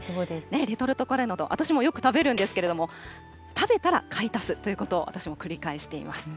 レトルトカレーなど、私もよく食べるんですけれども、食べたら買い足すということを、私も繰り返しています。